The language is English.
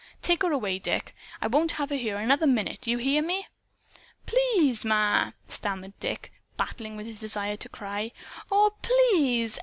Take her away, Dick. I won't have her here another minute. You hear me?" "Please, Ma!" stammered Dick, battling with his desire to cry. "Aw, PLEASE!